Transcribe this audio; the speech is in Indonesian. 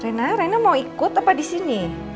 reina reina mau ikut apa di sini